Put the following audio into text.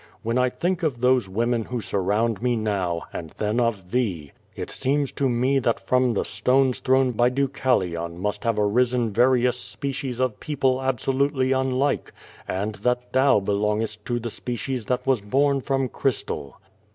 When 1 think of those women who surround me now, and then of thee, it seems to me that from the stones thrown by Deucalion must have arisen various species of people absolutely unlike, and that thou belongest to the species that was born from crystal.